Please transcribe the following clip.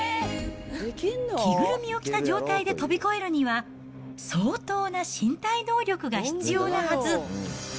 着ぐるみを着た状態で飛び越えるには、相当な身体能力が必要なはず。